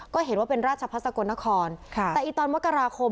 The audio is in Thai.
ก็เห็นว่าเป็นราชพัฒนสกลนครค่ะแต่อีกตอนมกราคม